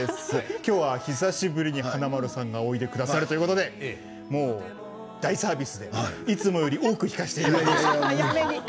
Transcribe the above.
きょうは久しぶりに華丸さんがおいでくださるということで大サービスでいつもより多くひかせていただきました。